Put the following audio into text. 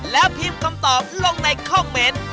แล้วพิมพ์คำตอบลงในคอมเมนต์